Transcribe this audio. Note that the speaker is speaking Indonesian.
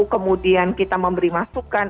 kemudian kita memberi masukan